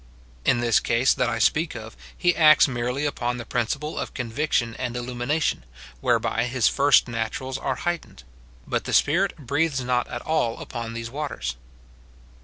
In this case that I speak of, he acts merely upon the principle of conviction and illumination, whereby his first naturals are heightened ; but the Spirit breathes not at all upon these waters.